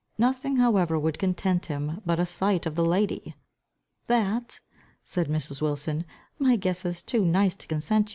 Nothing however would content him but a sight of the lady. "That," said Mrs. Wilson, "my guess is too nice to consent to.